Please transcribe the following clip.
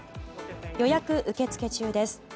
予約受付中です。